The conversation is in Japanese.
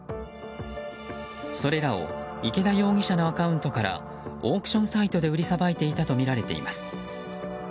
それらを池田容疑者のアカウントからオークションサイトで売りさばいていたとみられています。